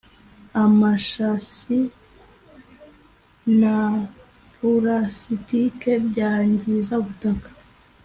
Amashasi na purasitike byangiza ubutaka